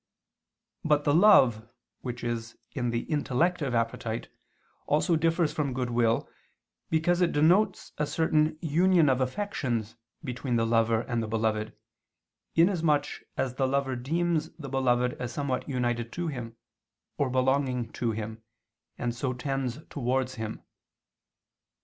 But the love, which is in the intellective appetite, also differs from goodwill, because it denotes a certain union of affections between the lover and the beloved, in as much as the lover deems the beloved as somewhat united to him, or belonging to him, and so tends towards him.